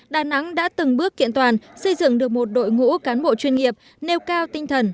đà nẵng đã từng bước kiện toàn xây dựng được một đội ngũ cán bộ chuyên nghiệp nêu cao tinh thần